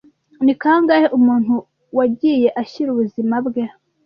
Ni kangahe umuntu wagiye ashyira ubuzima bwe